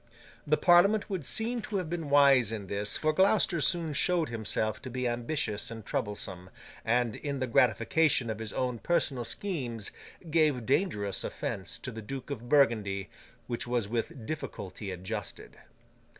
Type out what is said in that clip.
The Parliament would seem to have been wise in this, for Gloucester soon showed himself to be ambitious and troublesome, and, in the gratification of his own personal schemes, gave dangerous offence to the Duke of Burgundy, which was with difficulty adjusted.